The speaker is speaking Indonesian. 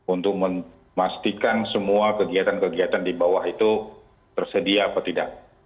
untuk memastikan semua kegiatan kegiatan di bawah itu tersedia apa tidak